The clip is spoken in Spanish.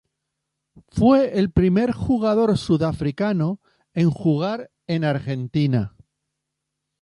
Fue el primer jugador sudafricano en jugar en Argentina.